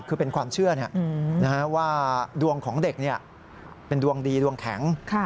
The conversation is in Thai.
คือเป็นความเชื่อว่าดวงของเด็กเป็นดวงดีดวงแข็ง